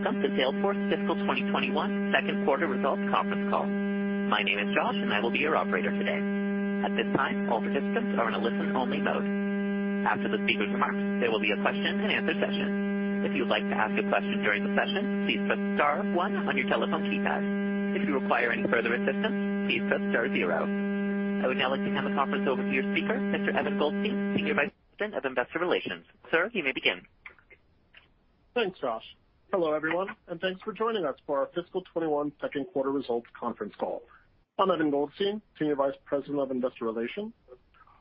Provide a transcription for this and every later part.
Welcome to Salesforce Fiscal 2021 second quarter results conference call. My name is Josh, and I will be your operator today. At this time, all participants are in a listen-only mode. After the speakers' remarks, there will be a question and answer session. If you would like to ask a question during the session, please press star one on your telephone keypad. If you require any further assistance, please press star zero. I would now like to hand the conference over to your speaker, Mr. Evan Goldstein, Senior Vice President of Investor Relations. Sir, you may begin. Thanks, Josh. Hello, everyone, and thanks for joining us for our Fiscal 2021 second quarter results conference call. I'm Evan Goldstein, Senior Vice President of Investor Relations.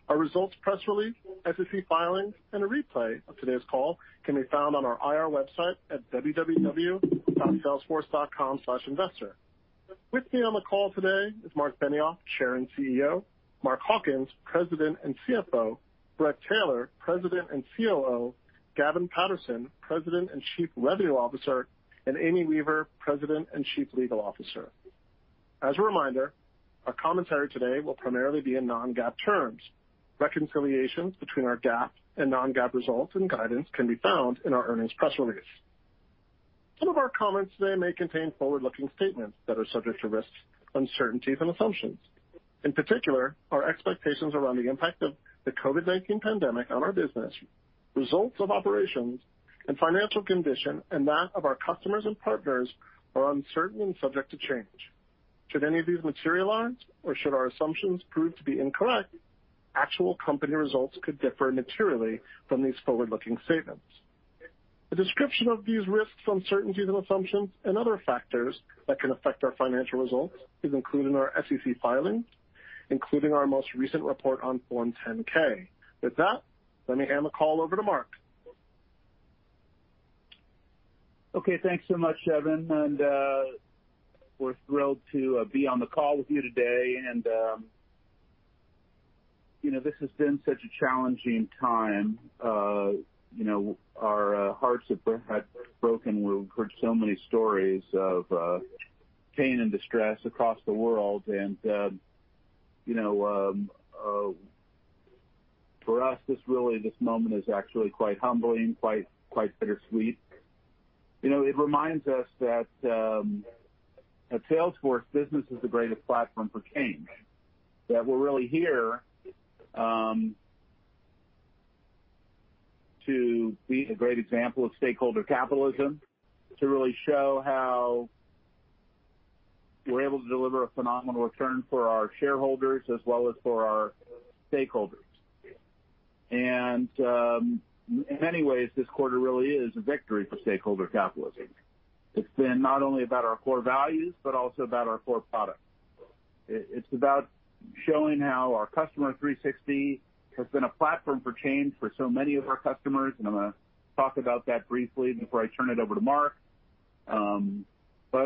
Our results press release, SEC filings, and a replay of today's call can be found on our IR website at www.salesforce.com/investor. With me on the call today is Marc Benioff, Chair and CEO, Mark Hawkins, President and CFO, Bret Taylor, President and COO, Gavin Patterson, President and Chief Revenue Officer, and Amy Weaver, President and Chief Legal Officer. As a reminder, our commentary today will primarily be in non-GAAP terms. Reconciliations between our GAAP and non-GAAP results and guidance can be found in our earnings press release. Some of our comments today may contain forward-looking statements that are subject to risks, uncertainties, and assumptions. In particular, our expectations around the impact of the COVID-19 pandemic on our business, results of operations, and financial condition, and that of our customers and partners are uncertain and subject to change. Should any of these materialize or should our assumptions prove to be incorrect, actual company results could differ materially from these forward-looking statements. A description of these risks, uncertainties, and assumptions, and other factors that can affect our financial results is included in our SEC filings, including our most recent report on Form 10-K. With that, let me hand the call over to Marc. Okay. Thanks so much, Evan. We're thrilled to be on the call with you today. This has been such a challenging time. Our hearts have broken. We've heard so many stories of pain and distress across the world. For us, this moment is actually quite humbling, quite bittersweet. It reminds us that a Salesforce business is the greatest platform for change, that we're really here to be a great example of stakeholder capitalism, to really show how we're able to deliver a phenomenal return for our shareholders as well as for our stakeholders. In many ways, this quarter really is a victory for stakeholder capitalism. It's been not only about our core values, but also about our core product. It's about showing how our Customer 360 has been a platform for change for so many of our customers, and I'm going to talk about that briefly before I turn it over to Mark.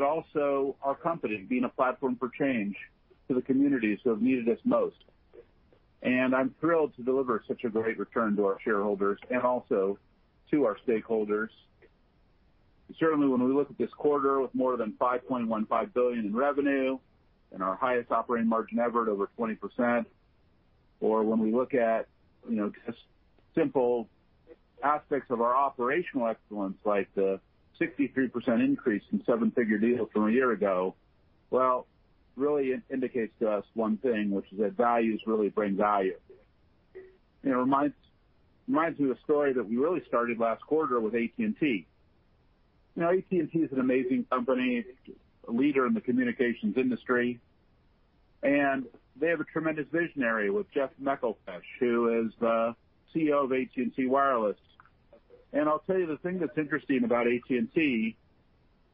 Also our company being a platform for change to the communities who have needed us most. I'm thrilled to deliver such a great return to our shareholders and also to our stakeholders. Certainly, when we look at this quarter with more than $5.15 billion in revenue and our highest operating margin ever at over 20%, or when we look at just simple aspects of our operational excellence, like the 63% increase in seven-figure deals from a year ago, well, really indicates to us one thing, which is that values really bring value. It reminds me of a story that we really started last quarter with AT&T. AT&T is an amazing company, a leader in the communications industry, and they have a tremendous visionary with Jeff McElfresh, who is the CEO of AT&T Wireless. I'll tell you, the thing that's interesting about AT&T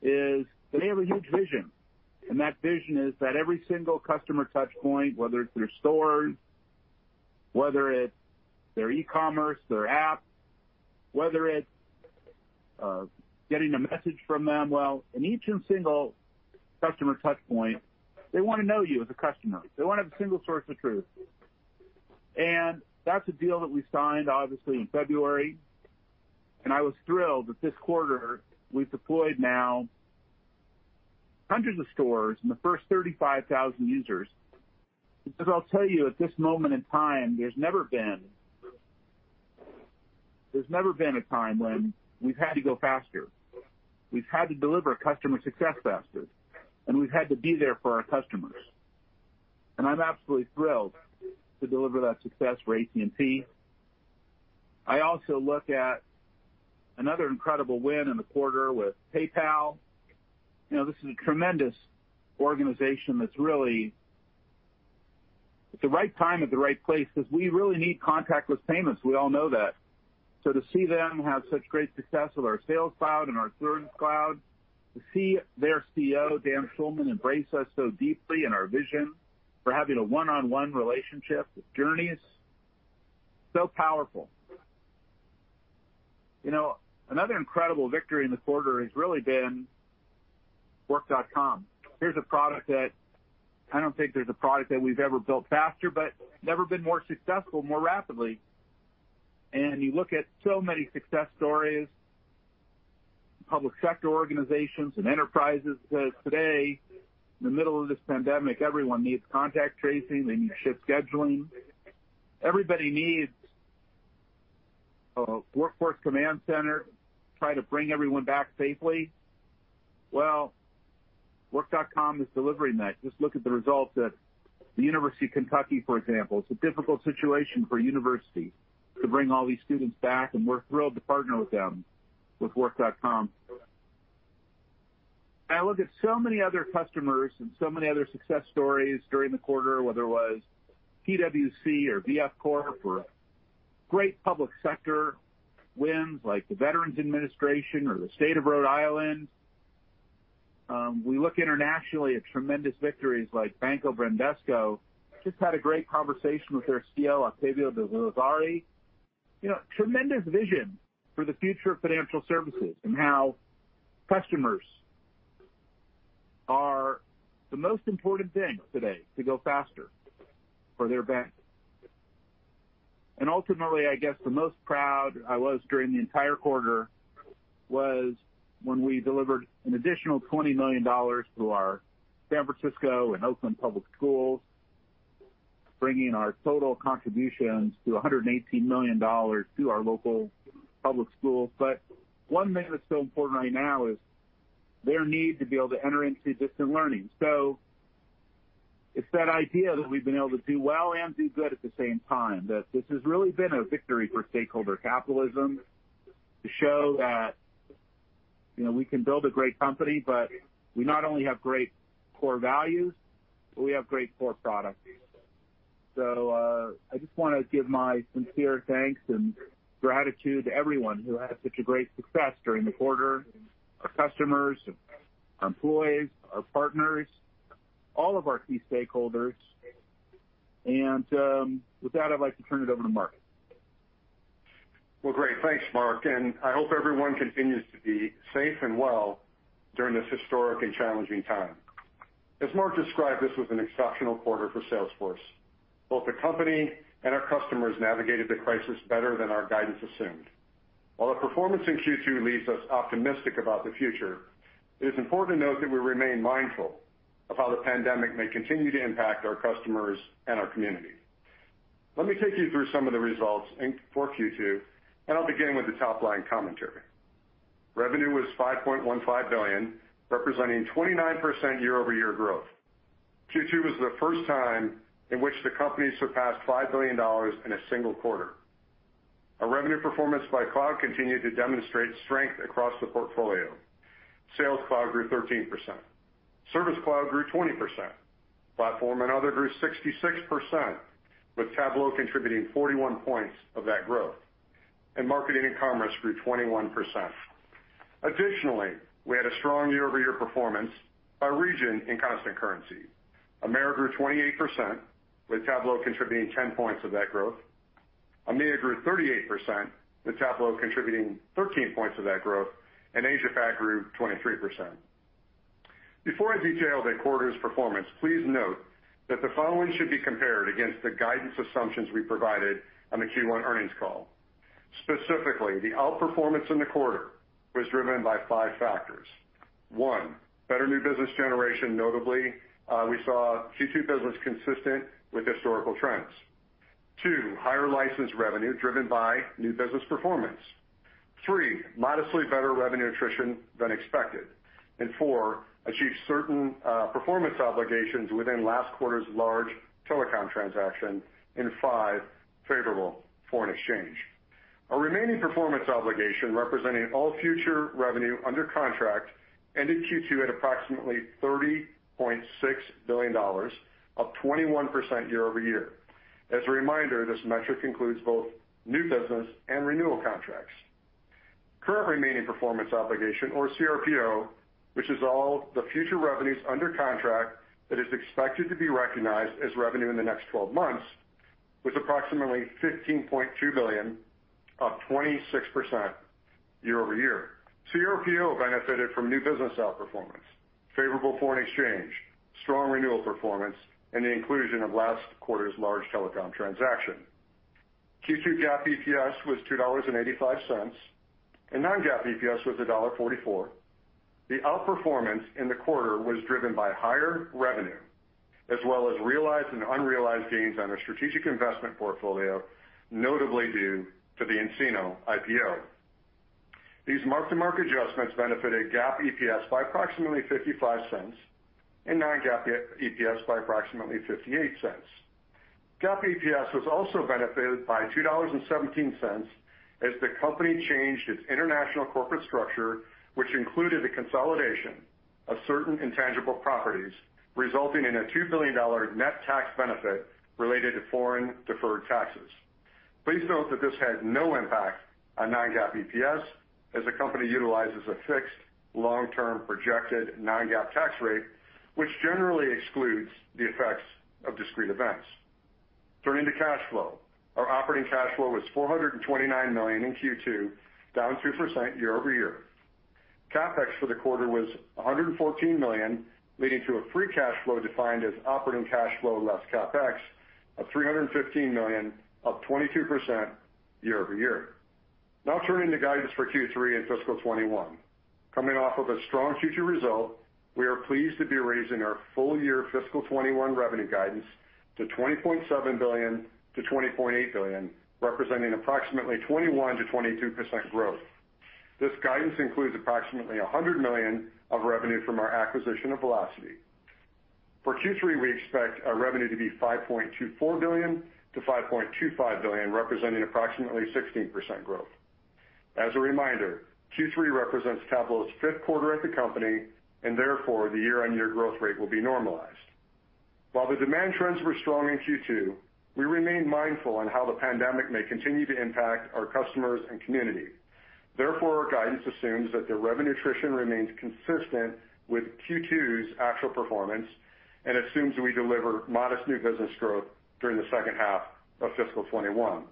is that they have a huge vision, and that vision is that every single customer touch point, whether it's their stores, whether it's their e-commerce, their app, whether it's getting a message from them, well, in each and single customer touch point, they want to know you as a customer. They want to have a single source of truth. That's a deal that we signed, obviously, in February, and I was thrilled that this quarter we've deployed now hundreds of stores and the first 35,000 users. I'll tell you, at this moment in time, there's never been a time when we've had to go faster. We've had to deliver customer success faster, and we've had to be there for our customers. I'm absolutely thrilled to deliver that success for AT&T. I also look at another incredible win in the quarter with PayPal. This is a tremendous organization that's really at the right time, at the right place, because we really need contactless payments. We all know that. To see them have such great success with our Sales Cloud and our Service Cloud, to see their CEO, Dan Schulman, embrace us so deeply in our vision for having a one-on-one relationship with Journeys, so powerful. Another incredible victory in the quarter has really been Work.com. I don't think there's a product that we've ever built faster but never been more successful more rapidly. You look at so many success stories, public sector organizations, and enterprises, because today, in the middle of this pandemic, everyone needs contact tracing. They need shift scheduling. Everybody needs Workplace Command Center, try to bring everyone back safely. Work.com is delivering that. Look at the results at the University of Kentucky, for example. It's a difficult situation for a university to bring all these students back, and we're thrilled to partner with them with work.com. I look at so many other customers and so many other success stories during the quarter, whether it was PwC or VF Corp, or great public sector wins like the Veterans Administration or the state of Rhode Island. We look internationally at tremendous victories like Banco Bradesco. Had a great conversation with their CEO, Octavio de Lazari. Tremendous vision for the future of financial services and how customers are the most important thing today to go faster for their bank. Ultimately, I guess, the most proud I was during the entire quarter was when we delivered an additional $20 million to our San Francisco and Oakland public schools, bringing our total contributions to $118 million to our local public schools. One thing that's so important right now is their need to be able to enter into distant learning. It's that idea that we've been able to do well and do good at the same time, that this has really been a victory for stakeholder capitalism to show that we can build a great company, but we not only have great core values, but we have great core products. I just want to give my sincere thanks and gratitude to everyone who had such a great success during the quarter, our customers, our employees, our partners, all of our key stakeholders. With that, I’d like to turn it over to Mark. Well, great. Thanks, Marc, and I hope everyone continues to be safe and well during this historic and challenging time. As Marc described, this was an exceptional quarter for Salesforce. Both the company and our customers navigated the crisis better than our guidance assumed. While the performance in Q2 leaves us optimistic about the future, it is important to note that we remain mindful of how the pandemic may continue to impact our customers and our community. Let me take you through some of the results for Q2, and I'll begin with the top-line commentary. Revenue was $5.15 billion, representing 29% year-over-year growth. Q2 was the first time in which the company surpassed $5 billion in a single quarter. Our revenue performance by cloud continued to demonstrate strength across the portfolio. Sales Cloud grew 13%. Service Cloud grew 20%. Platform and other grew 66%, with Tableau contributing 41 points of that growth. Marketing and commerce grew 21%. Additionally, we had a strong year-over-year performance by region in constant currency. AMER grew 28%, with Tableau contributing 10 points of that growth. EMEA grew 38%, with Tableau contributing 13 points of that growth, and Asia Pac grew 23%. Before I detail the quarter's performance, please note that the following should be compared against the guidance assumptions we provided on the Q1 earnings call. Specifically, the outperformance in the quarter was driven by five factors. One, better new business generation. Notably, we saw Q2 business consistent with historical trends. Two, higher license revenue driven by new business performance. Three, modestly better revenue attrition than expected, and four, achieve certain performance obligations within last quarter's large telecom transaction, and five, favorable foreign exchange. Our remaining performance obligation, representing all future revenue under contract, ended Q2 at approximately $30.6 billion, up 21% year-over-year. As a reminder, this metric includes both new business and renewal contracts. Current remaining performance obligation, or CRPO, which is all the future revenues under contract that is expected to be recognized as revenue in the next 12 months, was approximately $15.2 billion, up 26% year-over-year. CRPO benefited from new business outperformance, favorable foreign exchange, strong renewal performance, and the inclusion of last quarter's large telecom transaction. Q2 GAAP EPS was $2.85, and non-GAAP EPS was $1.44. The outperformance in the quarter was driven by higher revenue as well as realized and unrealized gains on our strategic investment portfolio, notably due to the nCino IPO. These mark-to-market adjustments benefited GAAP EPS by approximately $0.55 and non-GAAP EPS by approximately $0.58. GAAP EPS was also benefited by $2.17 as the company changed its international corporate structure, which included the consolidation of certain intangible properties, resulting in a $2 billion net tax benefit related to foreign deferred taxes. Please note that this had no impact on non-GAAP EPS, as the company utilizes a fixed, long-term projected non-GAAP tax rate, which generally excludes the effects of discrete events. Turning to cash flow. Our operating cash flow was $429 million in Q2, down 2% year-over-year. CapEx for the quarter was $114 million, leading to a free cash flow defined as operating cash flow less CapEx of $315 million, up 22% year-over-year. Turning to guidance for Q3 and fiscal 2021. Coming off of a strong Q2 result, we are pleased to be raising our full-year fiscal 2021 revenue guidance to $20.7 billion-$20.8 billion, representing approximately 21%-22% growth. This guidance includes approximately $100 million of revenue from our acquisition of Vlocity. For Q3, we expect our revenue to be $5.24 billion-$5.25 billion, representing approximately 16% growth. Therefore, Q3 represents Tableau's fifth quarter at the company, and the year-on-year growth rate will be normalized. While the demand trends were strong in Q2, we remain mindful on how the pandemic may continue to impact our customers and community. Therefore, our guidance assumes that the revenue attrition remains consistent with Q2's actual performance and assumes we deliver modest new business growth during the second half of fiscal 2021.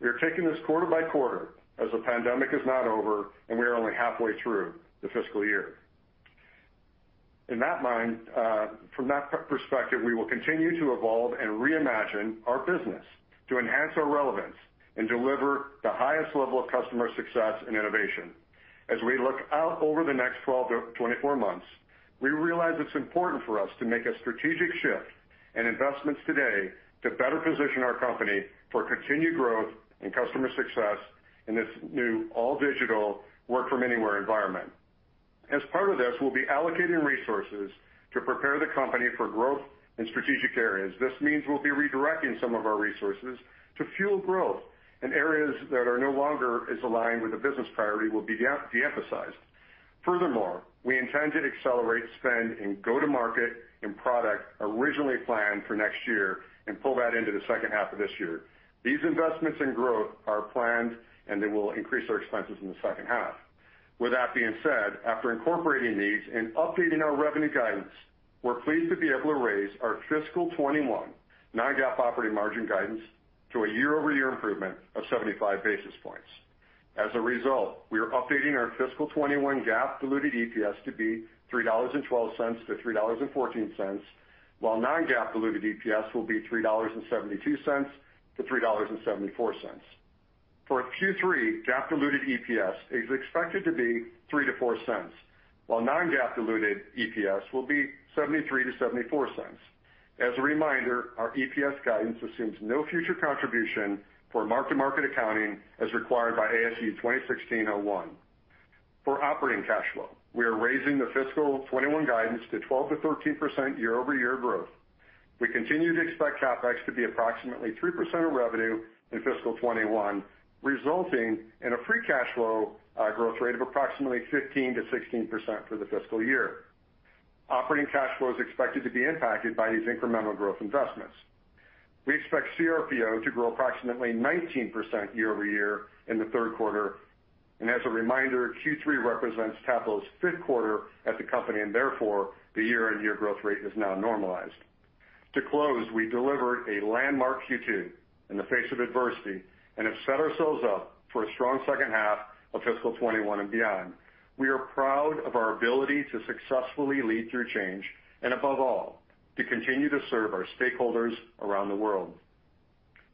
We are taking this quarter by quarter as the pandemic is not over, We are only halfway through the fiscal year. In that mind, from that perspective, we will continue to evolve and reimagine our business to enhance our relevance and deliver the highest level of customer success and innovation. As we look out over the next 12 to 24 months, we realize it's important for us to make a strategic shift and investments today to better position our company for continued growth and customer success in this new all-digital work-from-anywhere environment. As part of this, we'll be allocating resources to prepare the company for growth in strategic areas. This means we'll be redirecting some of our resources to fuel growth, and areas that are no longer as aligned with the business priority will be de-emphasized. Furthermore, we intend to accelerate spend in go-to-market and product originally planned for next year and pull that into the second half of this year. These investments in growth are planned, and they will increase our expenses in the second half. With that being said, after incorporating these and updating our revenue guidance, we're pleased to be able to raise our fiscal 2021 non-GAAP operating margin guidance to a year-over-year improvement of 75 basis points. As a result, we are updating our fiscal 2021 GAAP diluted EPS to be $3.12-$3.14, while non-GAAP diluted EPS will be $3.72-$3.74. For Q3, GAAP diluted EPS is expected to be $0.03-$0.04, while non-GAAP diluted EPS will be $0.73-$0.74. As a reminder, our EPS guidance assumes no future contribution for mark-to-market accounting as required by ASU 2016-01. For operating cash flow, we are raising the fiscal 2021 guidance to 12%-13% year-over-year growth. We continue to expect CapEx to be approximately 3% of revenue in fiscal 2021, resulting in a free cash flow growth rate of approximately 15%-16% for the fiscal year. Operating cash flow is expected to be impacted by these incremental growth investments. We expect CRPO to grow approximately 19% year-over-year in the third quarter. As a reminder, Q3 represents Tableau's fifth quarter at the company, and therefore, the year-on-year growth rate is now normalized. To close, we delivered a landmark Q2 in the face of adversity and have set ourselves up for a strong second half of fiscal 2021 and beyond. We are proud of our ability to successfully lead through change and, above all, to continue to serve our stakeholders around the world.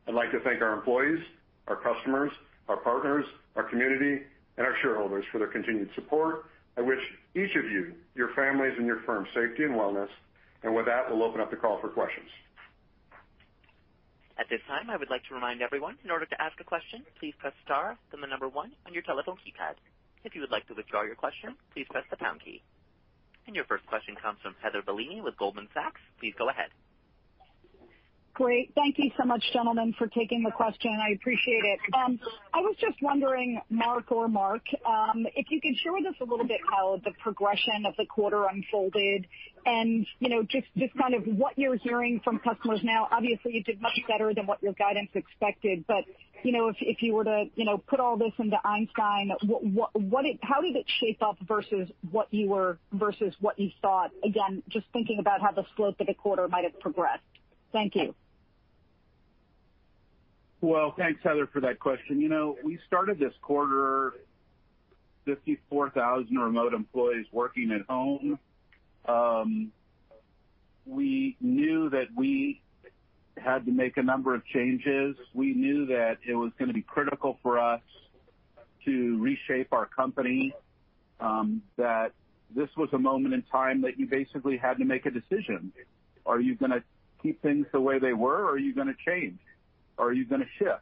I'd like to thank our employees, our customers, our partners, our community, and our shareholders for their continued support. I wish each of you, your families, and your firms safety and wellness. With that, we'll open up the call for questions. At this time, I would like to remind everyone, in order to ask a question, please press star, then the number one on your telephone keypad. If you would like to withdraw your question, please press the pound key. And your first question comes from Heather Bellini with Goldman Sachs. Please go ahead. Great. Thank you so much, gentlemen, for taking the question. I appreciate it. I was just wondering, Mark or Marc, if you could share with us a little bit how the progression of the quarter unfolded and just kind of what you're hearing from customers now. Obviously, you did much better than what your guidance expected, but if you were to put all this into Einstein, how did it shape up versus what you thought? Again, just thinking about how the slope of the quarter might have progressed. Thank you. Well, thanks, Heather, for that question. We started this quarter 54,000 remote employees working at home. We knew that we had to make a number of changes. We knew that it was going to be critical for us to reshape our company, that this was a moment in time that you basically had to make a decision. Are you going to keep things the way they were, or are you going to change? Are you going to shift?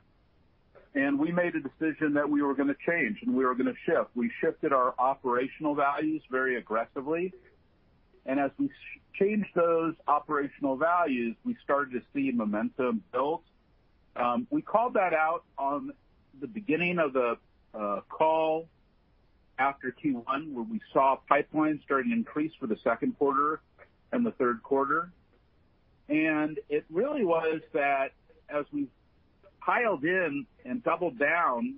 We made a decision that we were going to change, and we were going to shift. We shifted our operational values very aggressively, and as we changed those operational values, we started to see momentum build. We called that out on the beginning of the call after Q1, where we saw pipeline starting to increase for the second quarter and the third quarter. It really was that as we piled in and doubled down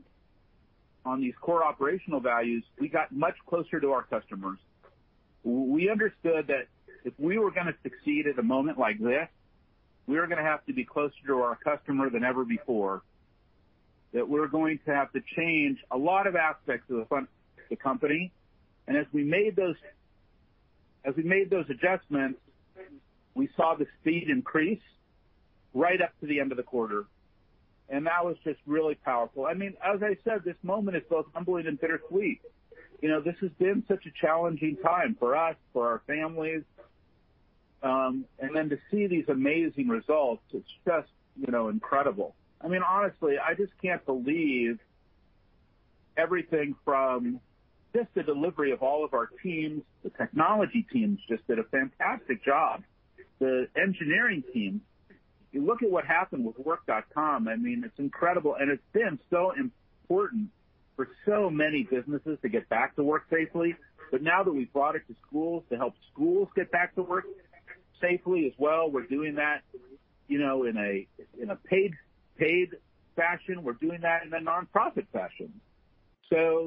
on these core operational values, we got much closer to our customers. We understood that if we were going to succeed at a moment like this, we were going to have to be closer to our customer than ever before, that we were going to have to change a lot of aspects of the company. As we made those As we made those adjustments, we saw the speed increase right up to the end of the quarter, and that was just really powerful. As I said, this moment is both humbling and bittersweet. This has been such a challenging time for us, for our families, and then to see these amazing results, it's just incredible. Honestly, I just can't believe everything from just the delivery of all of our teams. The technology teams just did a fantastic job. The engineering teams. You look at what happened with Work.com, it's incredible. It's been so important for so many businesses to get back to work safely. Now that we've brought it to schools to help schools get back to work safely as well, we're doing that in a paid fashion, we're doing that in a nonprofit fashion.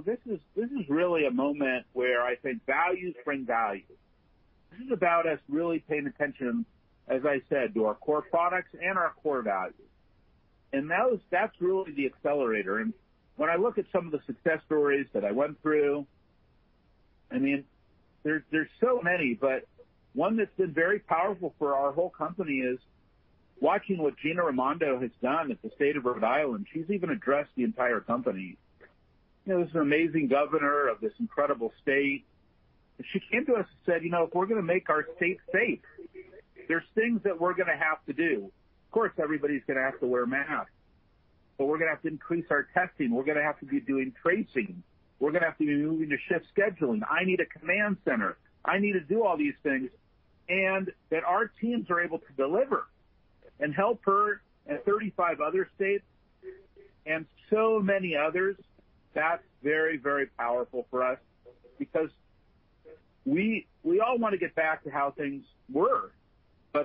This is really a moment where I say values bring value. This is about us really paying attention, as I said, to our core products and our core values. That's really the accelerator. When I look at some of the success stories that I went through, there's so many, but one that's been very powerful for our whole company is watching what Gina Raimondo has done at the state of Rhode Island. She's even addressed the entire company. This is an amazing governor of this incredible state. She came to us and said, "If we're going to make our state safe, there's things that we're going to have to do. Of course, everybody's going to have to wear a mask, but we're going to have to increase our testing. We're going to have to be doing tracing. We're going to have to be moving to shift scheduling. I need a command center. I need to do all these things. That our teams are able to deliver and help her and 35 other states and so many others, that's very powerful for us because we all want to get back to how things were.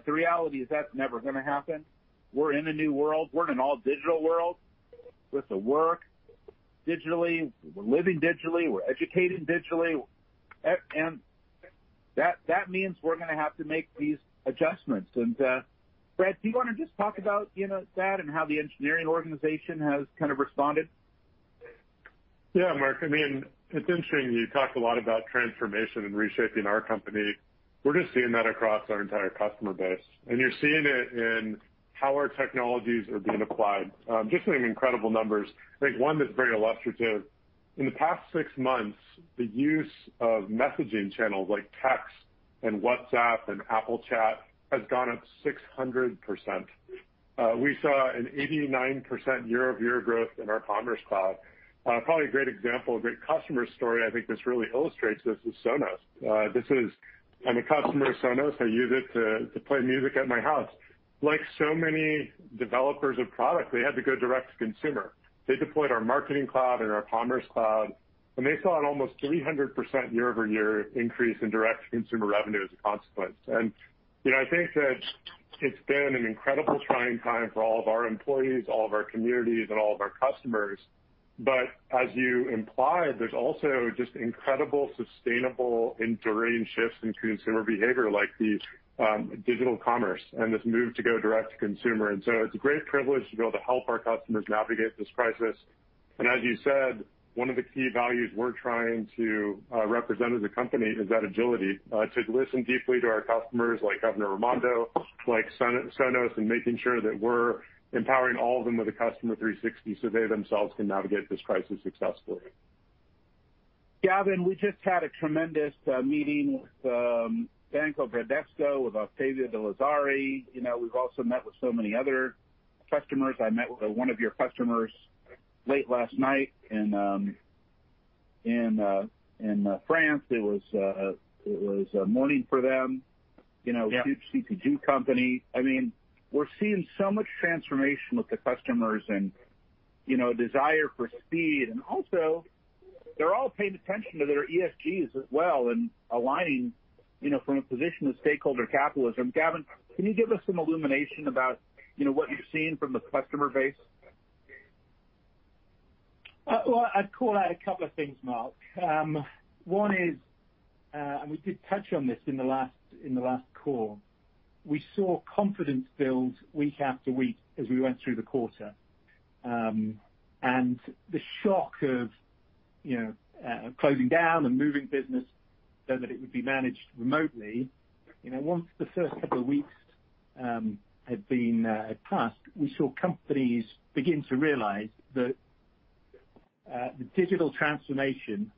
The reality is that's never going to happen. We're in a new world. We're in an all-digital world. We have to work digitally. We're living digitally. We're educating digitally. That means we're going to have to make these adjustments. Bret, do you want to just talk about that and how the engineering organization has kind of responded? Yeah, Marc. It's interesting that you talked a lot about transformation and reshaping our company. We're just seeing that across our entire customer base, and you're seeing it in how our technologies are being applied. Just some incredible numbers. I think one that's very illustrative, in the past six months, the use of messaging channels like text and WhatsApp and Apple Chat has gone up 600%. We saw an 89% year-over-year growth in our Commerce Cloud. Probably a great example, a great customer story I think this really illustrates this, is Sonos. I'm a customer of Sonos. I use it to play music at my house. Like so many developers of product, they had to go direct to consumer. They deployed our Marketing Cloud and our Commerce Cloud, and they saw an almost 300% year-over-year increase in direct-to-consumer revenue as a consequence. I think that it's been an incredible trying time for all of our employees, all of our communities, and all of our customers. As you implied, there's also just incredible, sustainable, enduring shifts in consumer behavior like these, digital commerce and this move to go direct to consumer. So it's a great privilege to be able to help our customers navigate this crisis. As you said, one of the key values we're trying to represent as a company is that agility. To listen deeply to our customers like Governor Raimondo, like Sonos, and making sure that we're empowering all of them with a Customer 360 so they themselves can navigate this crisis successfully. Gavin, we just had a tremendous meeting with Banco Bradesco, with Octavio de Lazari. We've also met with so many other customers. I met with one of your customers late last night in France. It was a morning for them. Yeah. Huge CPG company. We're seeing so much transformation with the customers and desire for speed. Also, they're all paying attention to their ESG as well and aligning from a position of stakeholder capitalism. Gavin, can you give us some illumination about what you're seeing from the customer base? I'd call out a couple of things, Marc. One is, we did touch on this in the last call, we saw confidence build week after week as we went through the quarter. The shock of closing down and moving business so that it would be managed remotely, once the first couple of weeks had passed, we saw companies begin to realize that the digital transformation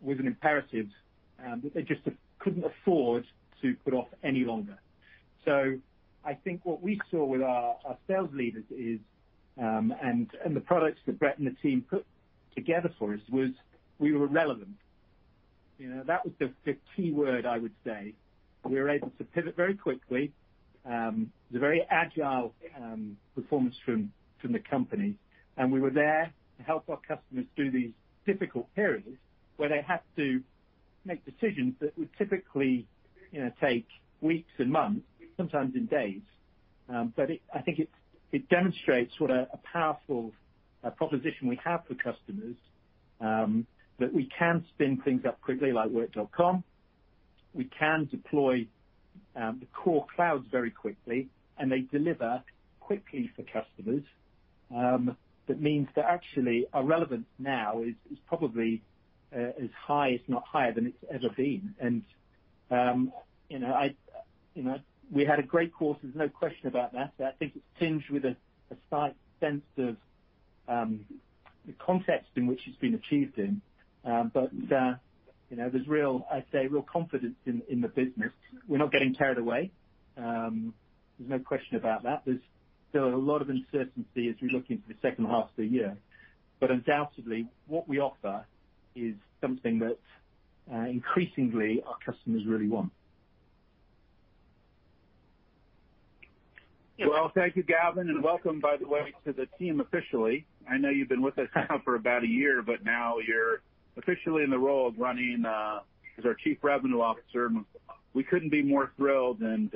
was an imperative that they just couldn't afford to put off any longer. I think what we saw with our sales leaders is, the products that Bret and the team put together for us was, we were relevant. That was the key word, I would say. We were able to pivot very quickly. It was a very agile performance from the company, we were there to help our customers through these difficult periods where they had to make decisions that would typically take weeks and months, sometimes in days. I think it demonstrates what a powerful proposition we have for customers, that we can spin things up quickly like Work.com. We can deploy the core clouds very quickly, they deliver quickly for customers. That means that actually our relevance now is probably as high, if not higher than it's ever been. We had a great quarter, there's no question about that. I think it's tinged with a slight sense of the context in which it's been achieved in. There's real, I'd say, real confidence in the business. We're not getting carried away. There's no question about that. There's still a lot of uncertainty as we look into the second half of the year. Undoubtedly, what we offer is something that increasingly our customers really want. Well, thank you, Gavin, and welcome, by the way, to the team officially. I know you've been with us now for about a year, but now you're officially in the role of running as our Chief Revenue Officer. We couldn't be more thrilled, and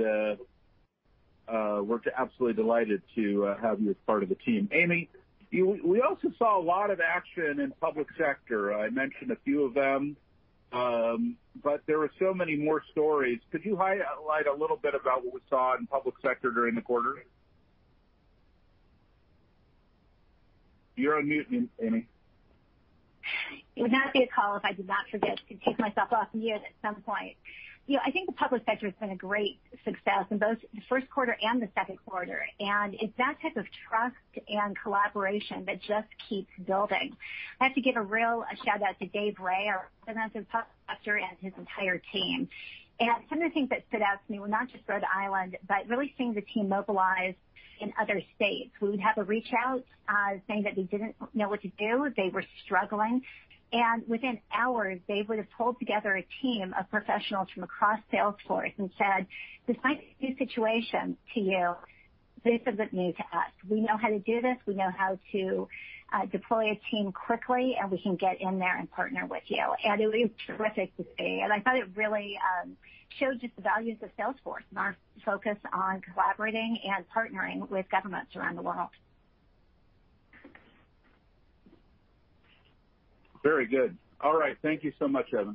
we're absolutely delighted to have you as part of the team. Amy, we also saw a lot of action in public sector. I mentioned a few of them, but there were so many more stories. Could you highlight a little bit about what we saw in public sector during the quarter? You're on mute, Amy. It would not be a call if I did not forget to take myself off mute at some point. I think the public sector has been a great success in both the first quarter and the second quarter, and it's that type of trust and collaboration that just keeps building. I have to give a real shout-out to Dave Rey, our Senior Vice President of Public Sector, and his entire team. Some of the things that stood out to me were not just Rhode Island, but really seeing the team mobilize in other states who would have a reach out, saying that they didn't know what to do, they were struggling, and within hours, they would have pulled together a team of professionals from across Salesforce and said, "Despite this new situation to you, this isn't new to us. We know how to do this. We know how to deploy a team quickly, and we can get in there and partner with you." It was terrific to see. I thought it really showed just the values of Salesforce and our focus on collaborating and partnering with governments around the world. Very good. All right. Thank you so much, Heather.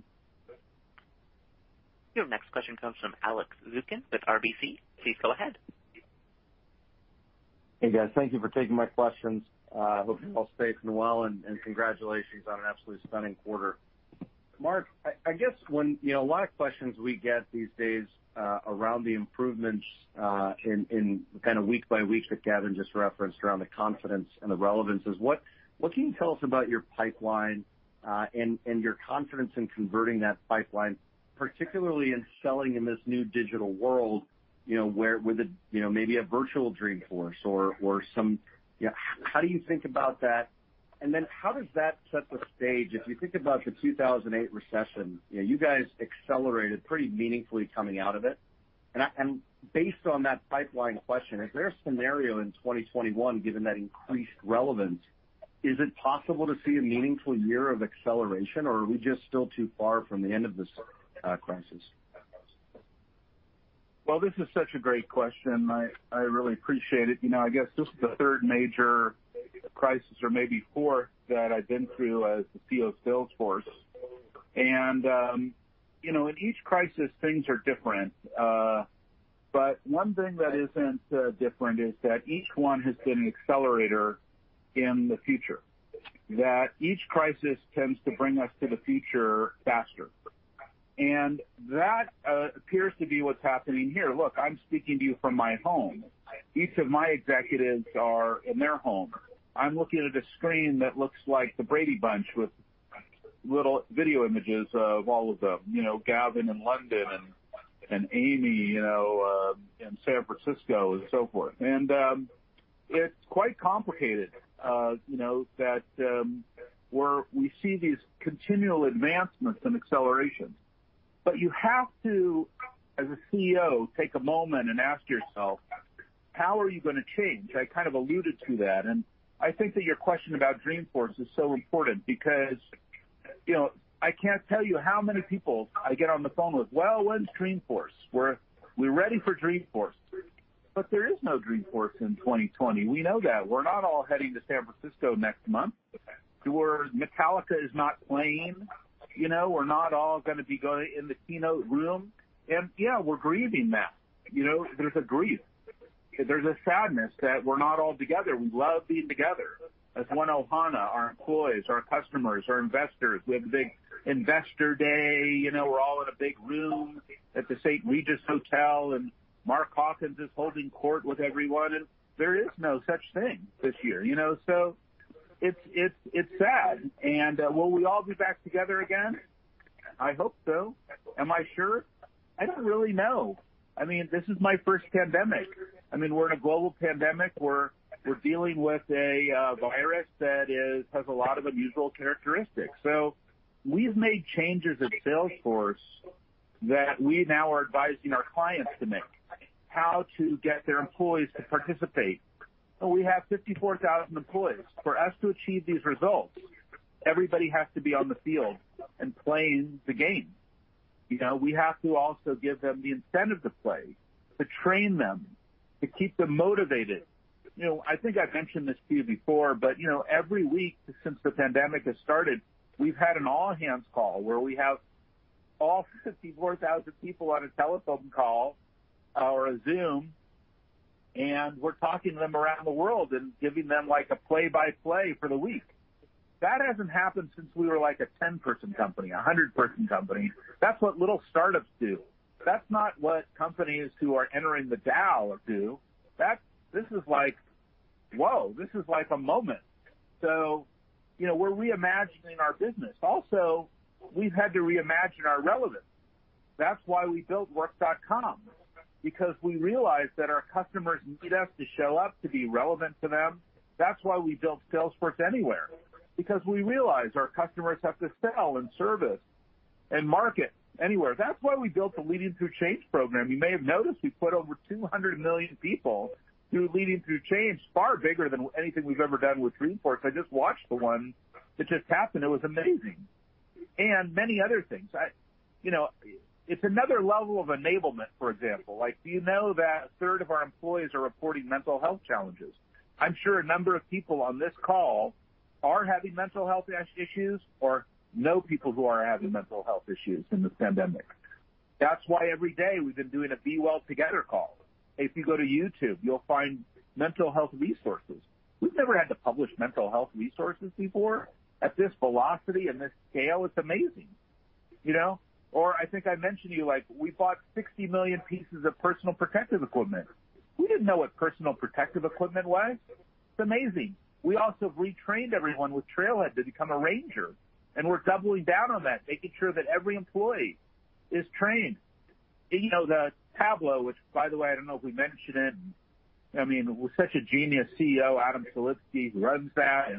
Your next question comes from Alex Zukin with RBC. Please go ahead. Hey, guys. Thank you for taking my questions. Hope you're all safe and well, and congratulations on an absolutely stunning quarter. Marc, I guess a lot of questions we get these days around the improvements in kind of week by week that Gavin just referenced around the confidence and the relevance is what can you tell us about your pipeline, and your confidence in converting that pipeline, particularly in selling in this new digital world, with maybe a virtual Dreamforce or how do you think about that? Then how does that set the stage? If you think about the 2008 recession, you guys accelerated pretty meaningfully coming out of it. Based on that pipeline question, is there a scenario in 2021, given that increased relevance, is it possible to see a meaningful year of acceleration, or are we just still too far from the end of this crisis? Well, this is such a great question. I really appreciate it. I guess this is the third major crisis, or maybe fourth, that I've been through as the CEO of Salesforce. In each crisis, things are different. One thing that isn't different is that each one has been an accelerator in the future. That each crisis tends to bring us to the future faster. That appears to be what's happening here. Look, I'm speaking to you from my home. Each of my executives are in their home. I'm looking at a screen that looks like "The Brady Bunch" with little video images of all of them, Gavin in London and Amy in San Francisco and so forth. It's quite complicated, that we see these continual advancements and accelerations. You have to, as a CEO, take a moment and ask yourself, how are you going to change? I kind of alluded to that, and I think that your question about Dreamforce is so important because I can't tell you how many people I get on the phone with, "Well, when's Dreamforce? We're ready for Dreamforce." There is no Dreamforce in 2020. We know that. We're not all heading to San Francisco next month, where Metallica is not playing. We're not all going to be going in the keynote room. Yeah, we're grieving that. There's a grief. There's a sadness that we're not all together. We love being together as one Ohana, our employees, our customers, our investors. We have the big investor day. We're all in a big room at the St. Regis Hotel, and Mark Hawkins is holding court with everyone, and there is no such thing this year. It's sad. Will we all be back together again? I hope so. Am I sure? I don't really know. This is my first pandemic. We're in a global pandemic. We're dealing with a virus that has a lot of unusual characteristics. We've made changes at Salesforce that we now are advising our clients to make, how to get their employees to participate. We have 54,000 employees. For us to achieve these results, everybody has to be on the field and playing the game. We have to also give them the incentive to play. To train them, to keep them motivated. I think I've mentioned this to you before, but every week since the pandemic has started, we've had an all-hands call where we have all 64,000 people on a telephone call or a Zoom, and we're talking to them around the world and giving them a play-by-play for the week. That hasn't happened since we were a 10-person company, a 100-person company. That's what little startups do. That's not what companies who are entering the Dow do. This is like, whoa. This is a moment. We're reimagining our business. Also, we've had to reimagine our relevance. That's why we built Work.com, because we realized that our customers need us to show up to be relevant to them. That's why we built Salesforce Anywhere, because we realize our customers have to sell, and service, and market anywhere. That's why we built the Leading Through Change program. You may have noticed we put over 200 million people through Leading Through Change, far bigger than anything we've ever done with Dreamforce. I just watched the one that just happened. It was amazing. Many other things. It's another level of enablement, for example. Do you know that a third of our employees are reporting mental health challenges? I'm sure a number of people on this call are having mental health issues or know people who are having mental health issues in this pandemic. That's why every day we've been doing a B-Well Together call. If you go to YouTube, you'll find mental health resources. We've never had to publish mental health resources before at this velocity and this scale. It's amazing. I think I mentioned to you, we bought 60 million pieces of personal protective equipment. We didn't know what personal protective equipment was. It's amazing. We also retrained everyone with Trailhead to become a Ranger. We're doubling down on that, making sure that every employee is trained. The Tableau, which, by the way, I don't know if we mentioned it, with such a genius CEO, Adam Selipsky, who runs that,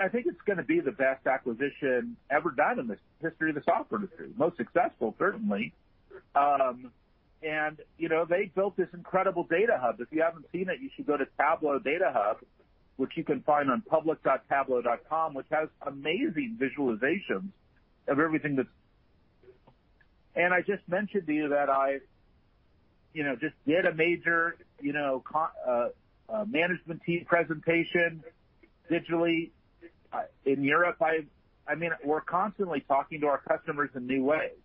I think it's going to be the best acquisition ever done in the history of the software industry. Most successful, certainly. They built this incredible data hub. If you haven't seen it, you should go to Tableau Data Hub, which you can find on public.tableau.com, which has amazing visualizations of everything that's. I just mentioned to you that I just did a major management team presentation digitally in Europe. We're constantly talking to our customers in new ways.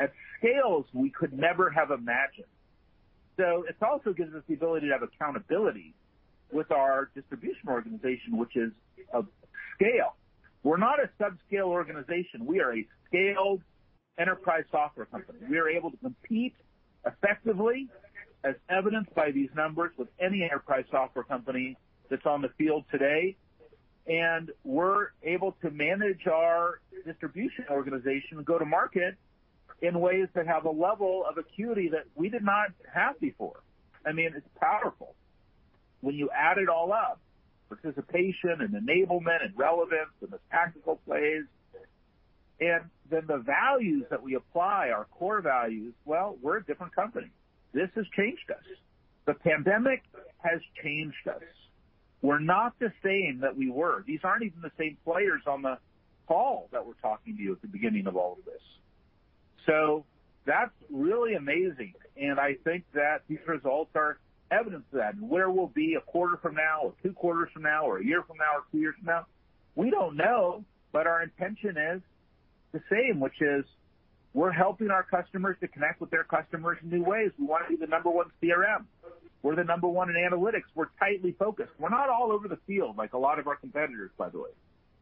At scales we could never have imagined. It also gives us the ability to have accountability with our distribution organization, which is of scale. We're not a sub-scale organization. We are a scaled enterprise software company. We are able to compete effectively, as evidenced by these numbers, with any enterprise software company that's on the field today. We're able to manage our distribution organization and go to market in ways that have a level of acuity that we did not have before. It's powerful when you add it all up, participation, and enablement, and relevance, and the tactical plays. The values that we apply, our core values, well, we're a different company. This has changed us. The pandemic has changed us. We're not the same that we were. These aren't even the same players on the call that were talking to you at the beginning of all of this. That's really amazing, and I think that these results are evidence of that. Where we'll be a quarter from now, or two quarters from now, or a year from now, or two years from now, we don't know. Our intention is the same, which is we're helping our customers to connect with their customers in new ways. We want to be the number one CRM. We're the number one in analytics. We're tightly focused. We're not all over the field like a lot of our competitors, by the way.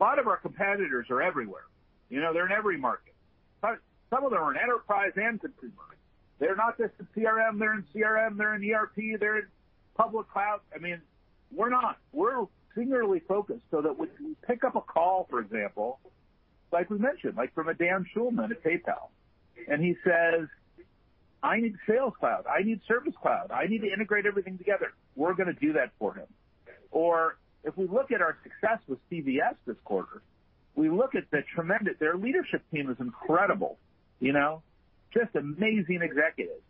A lot of our competitors are everywhere. They're in every market. Some of them are in enterprise and consumer. They're not just in CRM. They're in CRM, they're in ERP, they're in public cloud. We're not. We're singularly focused so that when you pick up a call, for example, like was mentioned, like from a Dan Schulman at PayPal, and he says, "I need Sales Cloud. I need Service Cloud. I need to integrate everything together." We're going to do that for him. If we look at our success with CVS this quarter. Their leadership team is incredible. Just amazing executives,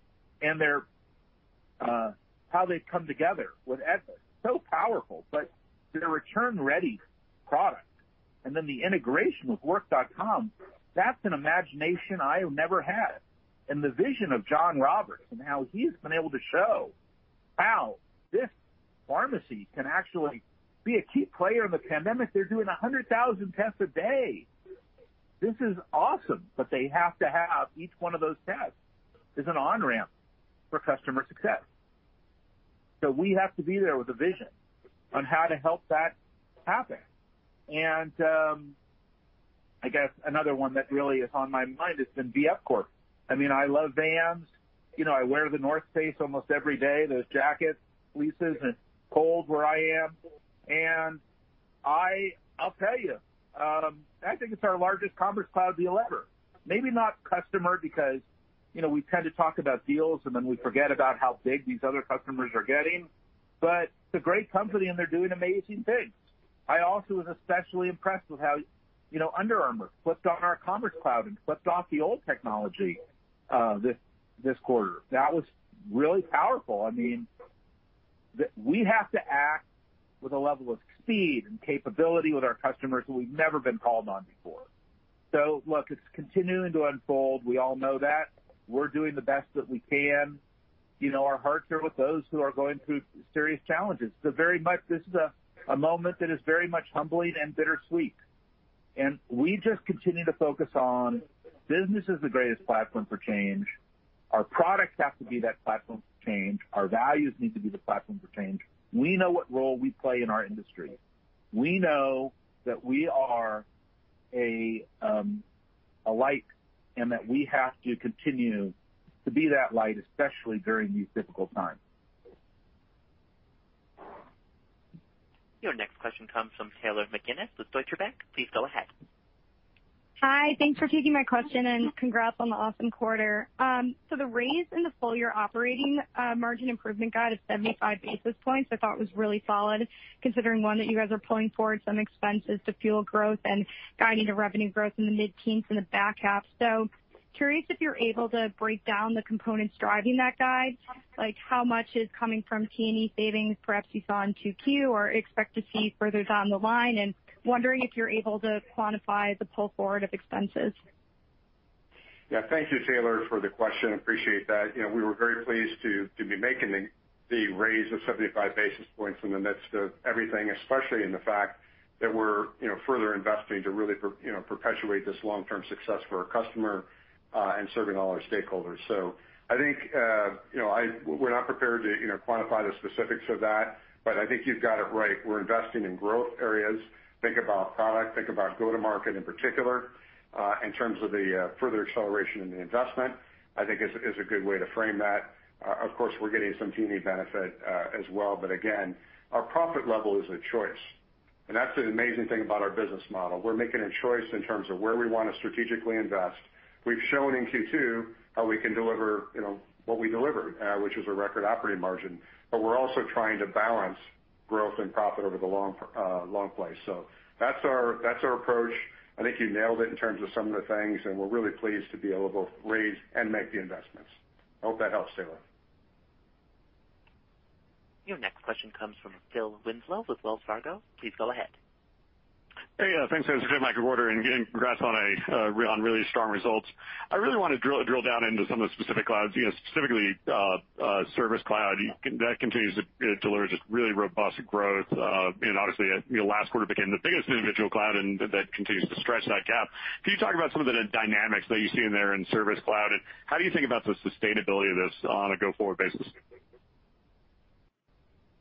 how they've come together was epic, so powerful. Their Return Ready product, and then the integration with Work.com, that's an imagination I have never had. The vision of Jon Roberts and how he's been able to show how this pharmacy can actually be a key player in the pandemic. They're doing 100,000 tests a day. This is awesome, but they have to have each one of those tests as an on-ramp for customer success. We have to be there with a vision on how to help that happen. I guess another one that really is on my mind has been VF Corp. I love Vans. I wear The North Face almost every day, those jackets, fleeces. It's cold where I am. I'll tell you, I think it's our largest Commerce Cloud deal ever. Maybe not customer, because we tend to talk about deals, and then we forget about how big these other customers are getting. It's a great company, and they're doing amazing things. I also was especially impressed with how Under Armour flipped on our Commerce Cloud and flipped off the old technology this quarter. That was really powerful. I mean, that we have to act with a level of speed and capability with our customers that we've never been called on before. Look, it's continuing to unfold. We all know that. We're doing the best that we can. Our hearts are with those who are going through serious challenges. This is a moment that is very much humbling and bittersweet. We just continue to focus on business as the greatest platform for change. Our products have to be that platform for change. Our values need to be the platform for change. We know what role we play in our industry. We know that we are a light and that we have to continue to be that light, especially during these difficult times. Your next question comes from Taylor McGinnis with Deutsche Bank. Please go ahead. Hi. Thanks for taking my question and congrats on the awesome quarter. The raise in the full-year operating margin improvement guide of 75 basis points I thought was really solid, considering, one, that you guys are pulling forward some expenses to fuel growth and guiding to revenue growth in the mid-teens in the back half. Curious if you're able to break down the components driving that guide, like how much is coming from T&E savings perhaps you saw in 2Q or expect to see further down the line, and wondering if you're able to quantify the pull forward of expenses. Thank you, Taylor, for the question. Appreciate that. We were very pleased to be making the raise of 75 basis points in the midst of everything, especially in the fact that we're further investing to really perpetuate this long-term success for our customer, and serving all our stakeholders. I think, we're not prepared to quantify the specifics of that, but I think you've got it right. We're investing in growth areas. Think about product. Think about go-to-market in particular, in terms of the further acceleration in the investment, I think is a good way to frame that. Of course, we're getting some T&E benefit as well. Again, our profit level is a choice, and that's the amazing thing about our business model. We're making a choice in terms of where we want to strategically invest. We've shown in Q2 how we can deliver what we delivered, which was a record operating margin. We're also trying to balance growth and profit over the long play. That's our approach. I think you nailed it in terms of some of the things, and we're really pleased to be able to raise and make the investments. I hope that helps, Taylor. Your next question comes from Phil Winslow with Wells Fargo. Please go ahead. Hey. Thanks, guys. Congrats on a really strong results. I really want to drill down into some of the specific clouds, specifically Service Cloud. That continues to deliver just really robust growth. Obviously, last quarter became the biggest individual cloud, and that continues to stretch that gap. Can you talk about some of the dynamics that you see in there in Service Cloud, and how do you think about the sustainability of this on a go-forward basis?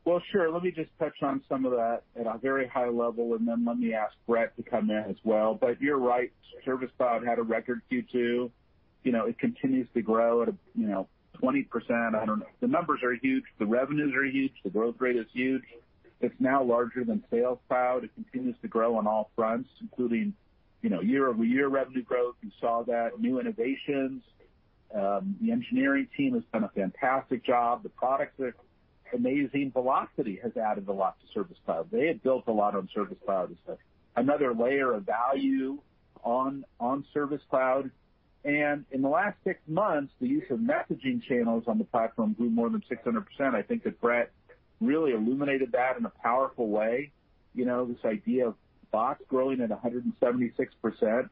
Well, sure. Let me just touch on some of that at a very high level, and then let me ask Bret to come in as well. You're right, Service Cloud had a record Q2. It continues to grow at 20%. The numbers are huge. The revenues are huge. The growth rate is huge. It's now larger than Sales Cloud. It continues to grow on all fronts, including year-over-year revenue growth. We saw that. New innovations. The engineering team has done a fantastic job. The products are amazing. Vlocity has added a lot to Service Cloud. They had built a lot on Service Cloud as another layer of value on Service Cloud. In the last six months, the use of messaging channels on the platform grew more than 600%. I think that Bret really illuminated that in a powerful way. This idea of bots growing at 176%,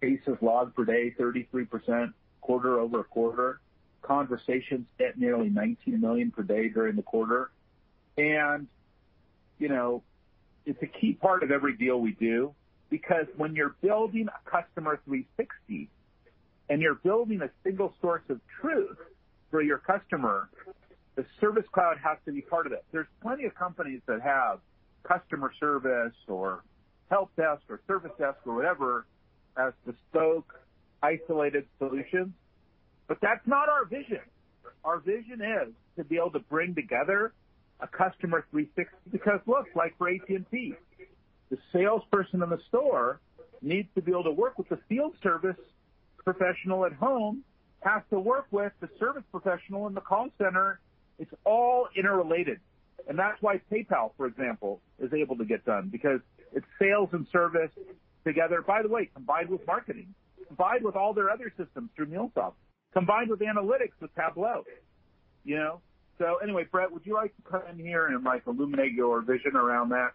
cases logged per day 33% quarter-over-quarter, conversations at nearly 19 million per day during the quarter. It's a key part of every deal we do because when you're building a Customer 360 and you're building a single source of truth for your customer, the Service Cloud has to be part of it. There's plenty of companies that have customer service or help desk or service desk or whatever as bespoke isolated solutions, but that's not our vision. Our vision is to be able to bring together a Customer 360. Look, for AT&T, the salesperson in the store needs to be able to work with the field service professional at home, has to work with the service professional in the call center. It's all interrelated. That's why PayPal, for example, is able to get done because it's Sales and Service together. By the way, combined with Marketing, combined with all their other systems through MuleSoft, combined with analytics with Tableau. Anyway, Bret, would you like to come in here and illuminate your vision around that?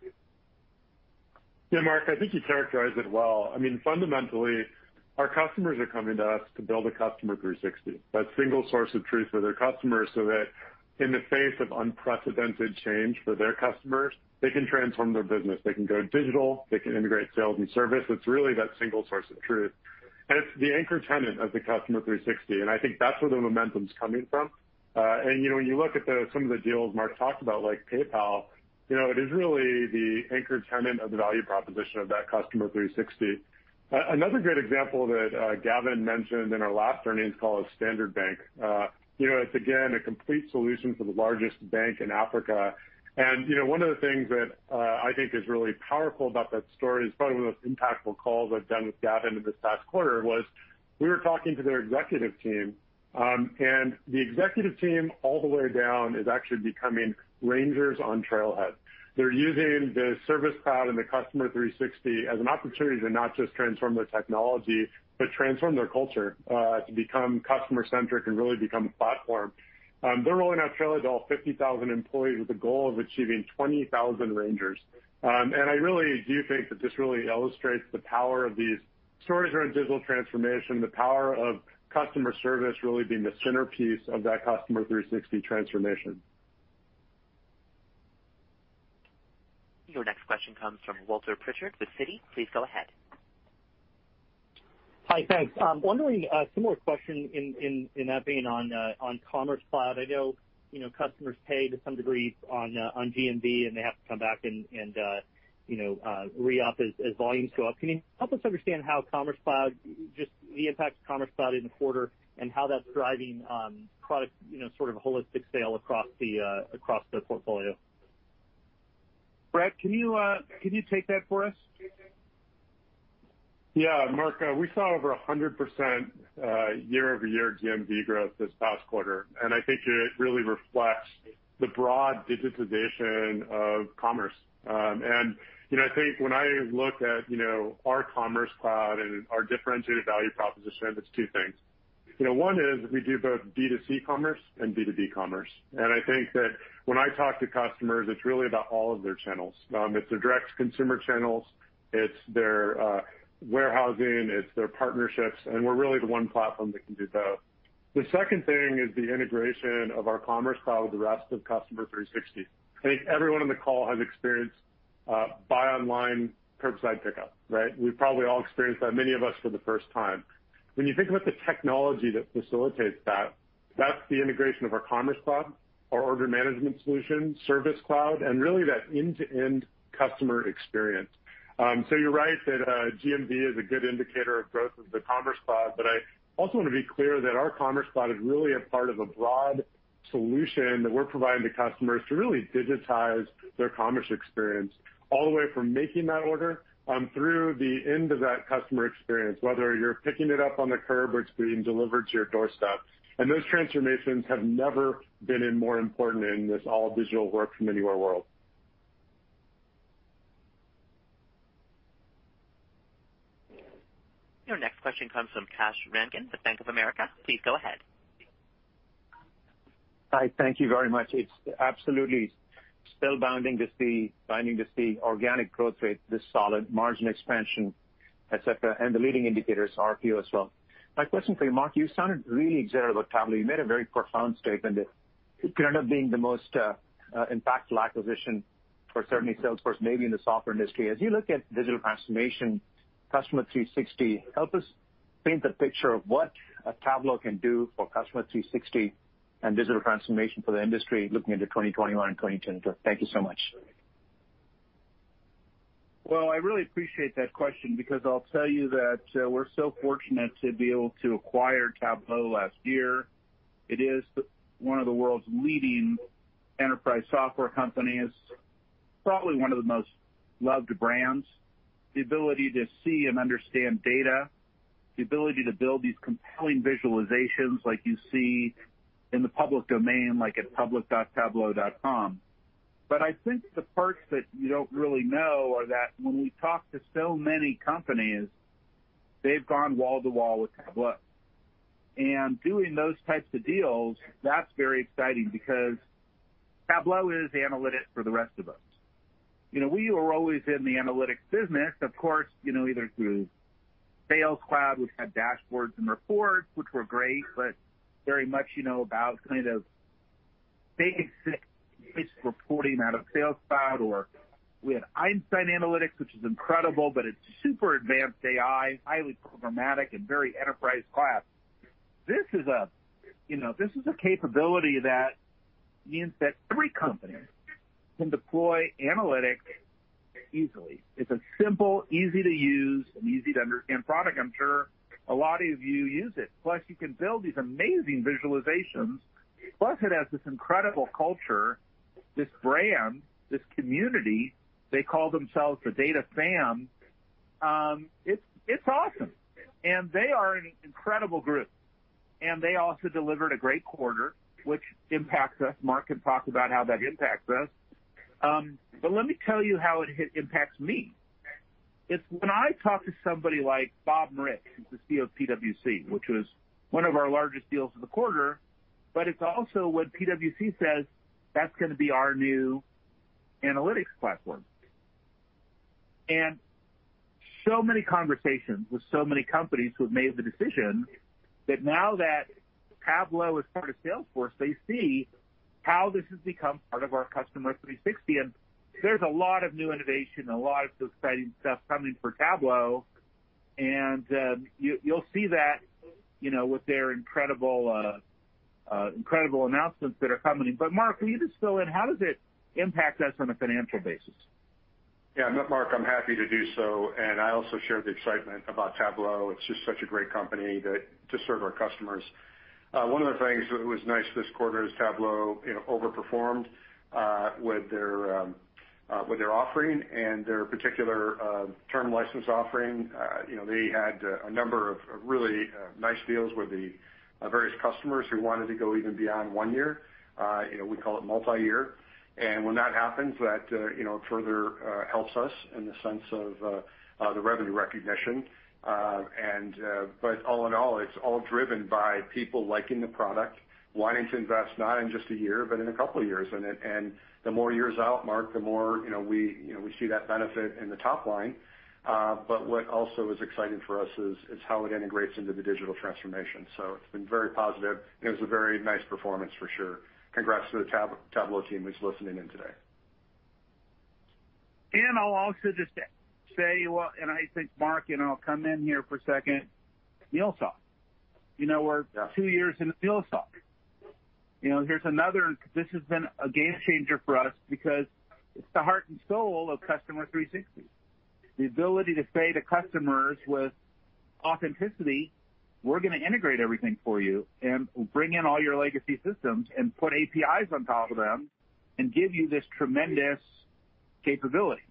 Yeah, Marc, I think you characterized it well. Fundamentally, our customers are coming to us to build a Customer 360, that single source of truth for their customers, so that in the face of unprecedented change for their customers, they can transform their business. They can go digital. They can integrate sales and service. It's really that single source of truth, and it's the anchor tenant of the Customer 360, and I think that's where the momentum's coming from. When you look at some of the deals Marc talked about, like PayPal, it is really the anchor tenant of the value proposition of that Customer 360. Another great example that Gavin mentioned in our last earnings call is Standard Bank. It's again, a complete solution for the largest bank in Africa. One of the things that I think is really powerful about that story is probably one of the most impactful calls I've done with Gavin this past quarter, was we were talking to their executive team, and the executive team all the way down is actually becoming Rangers on Trailhead. They're using the Service Cloud and the Customer 360 as an opportunity to not just transform their technology but transform their culture, to become customer-centric and really become a platform. They're rolling out Trailhead to all 50,000 employees with a goal of achieving 20,000 Rangers. I really do think that this really illustrates the power of these stories around digital transformation, the power of customer service really being the centerpiece of that Customer 360 transformation. Your next question comes from Walter Pritchard with Citi. Please go ahead. Hi. Thanks. Wondering a similar question in that being on Commerce Cloud. I know customers pay to some degree on GMV, and they have to come back and re-up as volumes go up. Can you help us understand the impact of Commerce Cloud in the quarter and how that's driving product sort of holistic sale across the portfolio? Bret, can you take that for us? Marc, we saw over 100% year-over-year GMV growth this past quarter. I think it really reflects the broad digitization of commerce. I think when I look at our Commerce Cloud and our differentiated value proposition, it's two things. One is we do both B2C commerce and B2B commerce. I think that when I talk to customers, it's really about all of their channels. It's their direct consumer channels, it's their warehousing, it's their partnerships. We're really the one platform that can do both. The second thing is the integration of our Commerce Cloud with the rest of Customer 360. I think everyone on the call has experienced buy online, curbside pickup, right? We've probably all experienced that, many of us for the first time. When you think about the technology that facilitates that's the integration of our Commerce Cloud, our order management solution, Service Cloud, and really that end-to-end customer experience. You're right that GMV is a good indicator of growth of the Commerce Cloud, but I also want to be clear that our Commerce Cloud is really a part of a broad solution that we're providing to customers to really digitize their commerce experience, all the way from making that order through the end of that customer experience, whether you're picking it up on the curb or it's being delivered to your doorstep. Those transformations have never been more important in this all digital work from anywhere world. Your next question comes from Kash Rangan, the Bank of America. Please go ahead. Hi. Thank you very much. It's absolutely spellbounding to see organic growth rate this solid, margin expansion, et cetera, and the leading indicators, RPO as well. My question for you, Marc, you sounded really excited about Tableau. You made a very profound statement that it could end up being the most impactful acquisition for certainly Salesforce, maybe in the software industry. As you look at digital transformation, Customer 360, help us paint the picture of what Tableau can do for Customer 360 and digital transformation for the industry looking into 2021 and 2022. Thank you so much. Well, I really appreciate that question because I'll tell you that we're so fortunate to be able to acquire Tableau last year. It is one of the world's leading enterprise software companies, probably one of the most loved brands. The ability to see and understand data, the ability to build these compelling visualizations like you see in the public domain, like at public.tableau.com. I think the parts that you don't really know are that when we talk to so many companies, they've gone wall to wall with Tableau. Doing those types of deals, that's very exciting because Tableau is analytics for the rest of us. We were always in the analytics business, of course, either through Sales Cloud, we've had dashboards and reports, which were great, but very much about kind of basic reporting out of Sales Cloud, or we had Einstein Analytics, which is incredible, but it's super advanced AI, highly programmatic, and very enterprise class. This is a capability that means that every company can deploy analytics easily. It's a simple, easy to use, and easy to understand product. I'm sure a lot of you use it. You can build these amazing visualizations. It has this incredible culture, this brand, this community. They call themselves the DataFam. It's awesome. They are an incredible group. They also delivered a great quarter, which impacts us. Mark can talk about how that impacts us. Let me tell you how it impacts me. It's when I talk to somebody like Bob Moritz, who's the CEO of PwC, which was one of our largest deals of the quarter, but it's also when PwC says, "That's going to be our new analytics platform." Many conversations with so many companies who have made the decision that now that Tableau is part of Salesforce, they see how this has become part of our Customer 360. There's a lot of new innovation, a lot of exciting stuff coming for Tableau, and you'll see that with their incredible announcements that are coming. Mark, can you just fill in, how does it impact us on a financial basis? Yeah. Marc, I am happy to do so, and I also share the excitement about Tableau. It is just such a great company to serve our customers. One of the things that was nice this quarter is Tableau overperformed with their offering and their particular term license offering. They had a number of really nice deals with the various customers who wanted to go even beyond one year. We call it multi-year. When that happens, that further helps us in the sense of the revenue recognition. All in all, it is all driven by people liking the product, wanting to invest not in just a year, but in a couple of years. The more years out, Marc, the more we see that benefit in the top line. What also is exciting for us is how it integrates into the digital transformation. It's been very positive, and it was a very nice performance for sure. Congrats to the Tableau team who's listening in today. I'll also just say, Mark, I'll come in here for a second, MuleSoft. We're two years into MuleSoft. This has been a game changer for us because it's the heart and soul of Customer 360. The ability to say to customers with authenticity, we're going to integrate everything for you and bring in all your legacy systems and put APIs on top of them and give you this tremendous capability.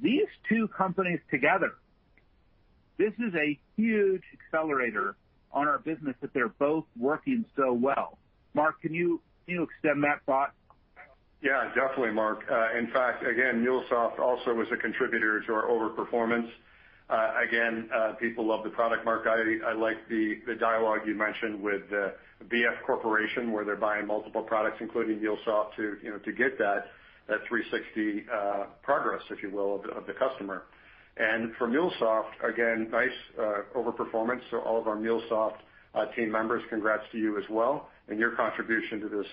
These two companies together, this is a huge accelerator on our business that they're both working so well. Mark, can you extend that thought? Yeah, definitely, Marc. In fact, again, MuleSoft also was a contributor to our over-performance. Again, people love the product, Marc. I like the dialogue you mentioned with the VF Corporation, where they're buying multiple products, including MuleSoft, to get that 360 progress, if you will, of the customer. For MuleSoft, again, nice over-performance. All of our MuleSoft team members, congrats to you as well and your contribution to this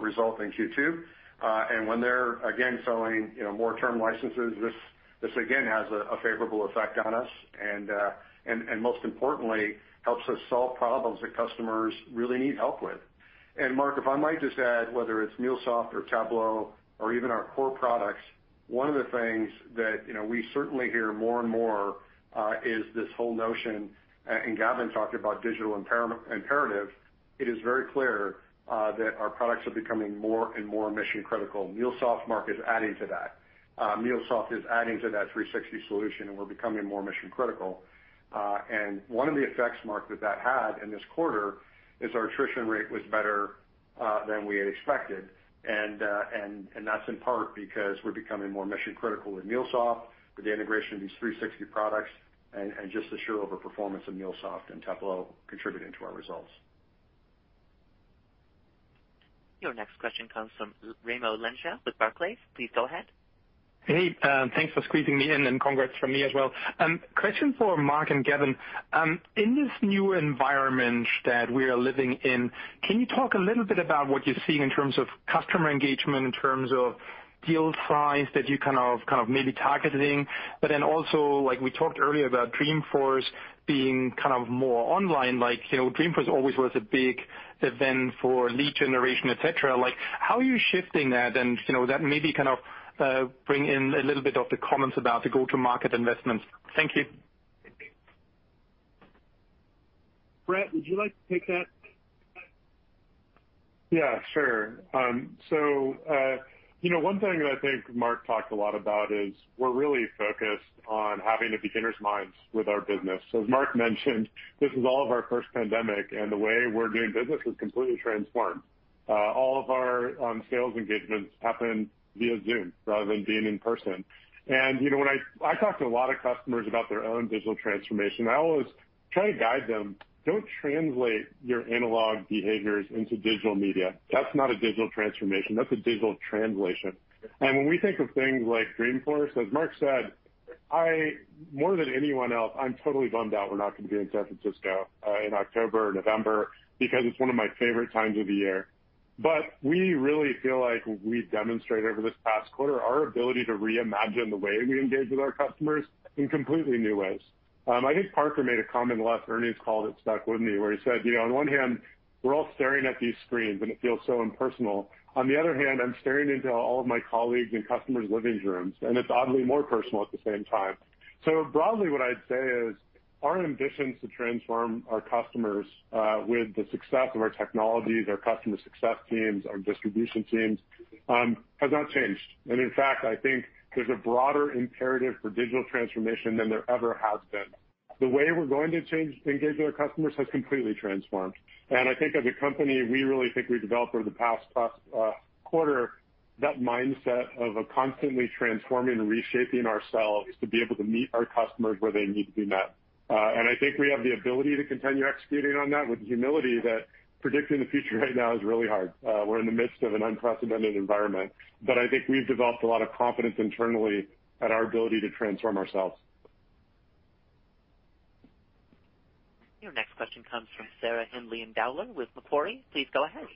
result in Q2. When they're, again, selling more term licenses, this again has a favorable effect on us, and most importantly, helps us solve problems that customers really need help with. Marc, if I might just add, whether it's MuleSoft or Tableau or even our core products, one of the things that we certainly hear more and more is this whole notion, and Gavin talked about digital imperative. It is very clear that our products are becoming more and more mission-critical. MuleSoft, Marc, is adding to that. MuleSoft is adding to that 360 solution, we're becoming more mission-critical. One of the effects, Marc, that had in this quarter is our attrition rate was better than we had expected, and that's in part because we're becoming more mission-critical with MuleSoft, with the integration of these 360 products, and just the sheer over-performance of MuleSoft and Tableau contributing to our results. Your next question comes from Raimo Lenschow with Barclays. Please go ahead. Hey, thanks for squeezing me in, and congrats from me as well. Question for Marc and Gavin. In this new environment that we are living in, can you talk a little bit about what you're seeing in terms of customer engagement, in terms of deal size that you're maybe targeting? Also, we talked earlier about Dreamforce being more online. Dreamforce always was a big event for lead generation, et cetera. How are you shifting that? Maybe bring in a little bit of the comments about the go-to-market investments. Thank you. Bret, would you like to take that? Yeah, sure. One thing that I think Marc talked a lot about is we're really focused on having a beginner's mind with our business. As Mark mentioned, this is all of our first pandemic, and the way we're doing business has completely transformed. All of our sales engagements happen via Zoom rather than being in person. I talk to a lot of customers about their own digital transformation, and I always try to guide them, don't translate your analog behaviors into digital media. That's not a digital transformation. That's a digital translation. When we think of things like Dreamforce, as Marc said, more than anyone else, I'm totally bummed out we're not going to be in San Francisco in October or November because it's one of my favorite times of the year. We really feel like we've demonstrated over this past quarter our ability to reimagine the way we engage with our customers in completely new ways. I think Parker made a comment in the last earnings call that stuck with me, where he said, "On one hand, we're all staring at these screens, and it feels so impersonal. On the other hand, I'm staring into all of my colleagues' and customers' living rooms, and it's oddly more personal at the same time." Broadly, what I'd say is our ambitions to transform our customers with the success of our technologies, our customer success teams, our distribution teams, has not changed. In fact, I think there's a broader imperative for digital transformation than there ever has been. The way we're going to engage with our customers has completely transformed, and I think as a company, we really think we've developed over the past quarter that mindset of constantly transforming and reshaping ourselves to be able to meet our customers where they need to be met. I think we have the ability to continue executing on that with the humility that predicting the future right now is really hard. We're in the midst of an unprecedented environment, but I think we've developed a lot of confidence internally at our ability to transform ourselves. Your next question comes from Sarah Hindlian-Bowler with Macquarie. Please go ahead.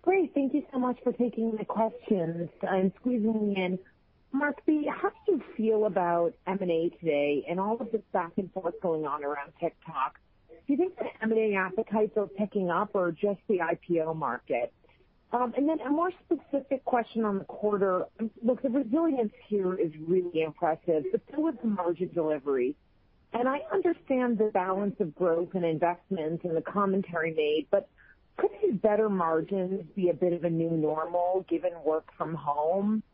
Great. Thank you so much for taking the questions and squeezing me in. Marc, how do you feel about M&A today and all of this back and forth going on around TikTok? Do you think the M&A appetites are picking up or just the IPO market? A more specific question on the quarter. Look, the resilience here is really impressive, but so is margin delivery. I understand the balance of growth and investments and the commentary made, but could these better margins be a bit of a new normal given work from home?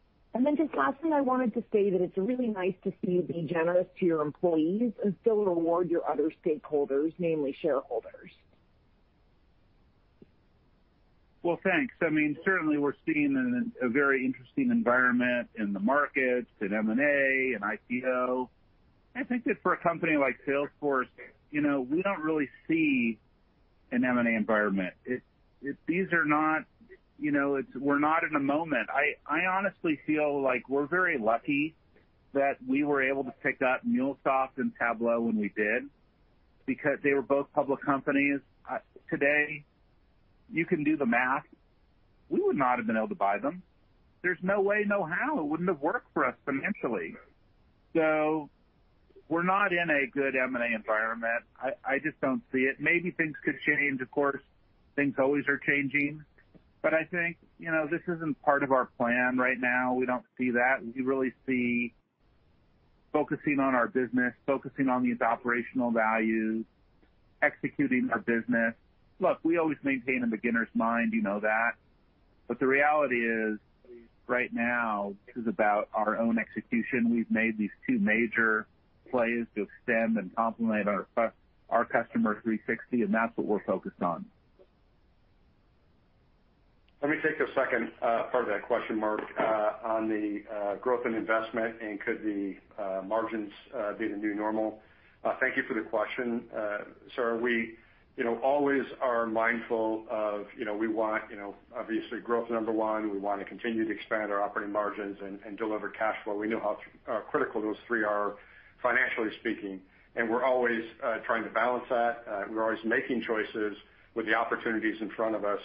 Just lastly, I wanted to say that it's really nice to see you be generous to your employees and still reward your other stakeholders, namely shareholders. Well, thanks. Certainly, we're sitting in a very interesting environment in the markets, in M&A, and IPO. I think that for a company like Salesforce, we don't really see an M&A environment. We're not in a moment. I honestly feel like we're very lucky that we were able to pick up MuleSoft and Tableau when we did. They were both public companies. Today, you can do the math. We would not have been able to buy them. There's no way, no how. It wouldn't have worked for us financially. We're not in a good M&A environment. I just don't see it. Maybe things could change. Of course, things always are changing, but I think this isn't part of our plan right now. We don't see that. We really see focusing on our business, focusing on these operational values, executing our business. Look, we always maintain a beginner's mind, you know that. The reality is, right now, this is about our own execution. We've made these two major plays to extend and complement our Customer 360, and that's what we're focused on. Let me take the second part of that question, Marc, on the growth and investment, could the margins be the new normal. Thank you for the question. We always are mindful of we want, obviously, growth, number one. We want to continue to expand our operating margins and deliver cash flow. We know how critical those three are financially speaking, we're always trying to balance that. We're always making choices with the opportunities in front of us,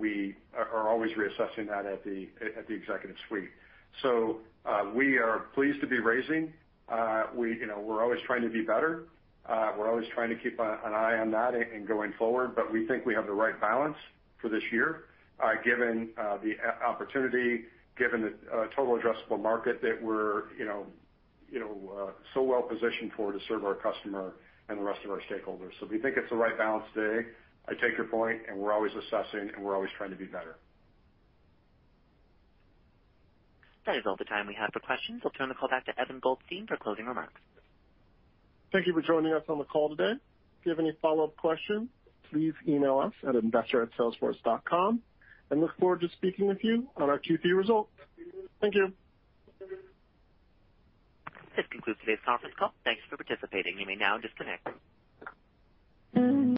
we are always reassessing that at the executive suite. We are pleased to be raising. We're always trying to be better. We're always trying to keep an eye on that and going forward, we think we have the right balance for this year, given the opportunity, given the total addressable market that we're so well-positioned for to serve our customer and the rest of our stakeholders. We think it's the right balance today. I take your point, and we're always assessing, and we're always trying to be better. That is all the time we have for questions. I'll turn the call back to Evan Goldstein for closing remarks. Thank you for joining us on the call today. If you have any follow-up questions, please email us at investor@salesforce.com. Look forward to speaking with you on our Q3 results. Thank you. This concludes today's conference call. Thanks for participating. You may now disconnect.